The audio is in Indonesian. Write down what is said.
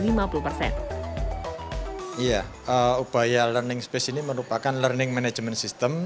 iya ubaya learning space ini merupakan learning management system